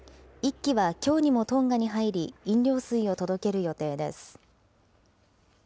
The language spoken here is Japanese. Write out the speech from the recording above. １機はきょうにもトンガに入り、飲料水を届ける予定です。